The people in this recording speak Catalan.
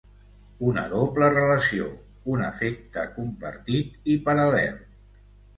Una doble relació, un afecte compartit i paral·lel.